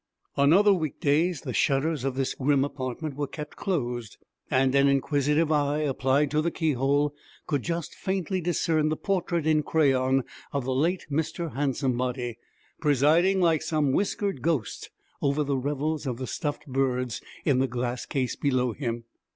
On other week days the shutters of this grim apartment were kept closed, and an inquisitive eye, applied to the keyhole, could just faintly discern the portrait in crayon of the late Mr. Handsomebody, presiding, like some whiskered ghost, over the revels of the stuffed birds in the glass case below him.